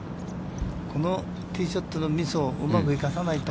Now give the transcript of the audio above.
このティーショットのミスをうまく生かさないと。